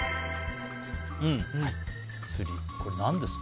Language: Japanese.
釣り、これ何ですか？